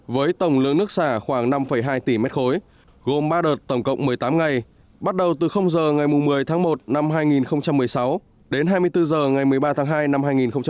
với tổng lượng nước xả khoảng năm hai tỷ m ba gồm ba đợt tổng cộng một mươi tám ngày bắt đầu từ h ngày một mươi tháng một năm hai nghìn một mươi sáu đến hai mươi bốn h ngày một mươi ba tháng hai năm hai nghìn một mươi chín